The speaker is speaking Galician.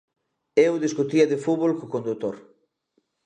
Eu discutía de fútbol co condutor: